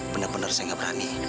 bener bener saya gak berani